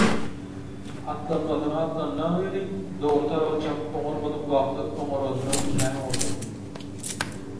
Atlanmasyna atlandam welin dogry taraba çapyp oňarmadyk wagty oňaranyndan kän boldy.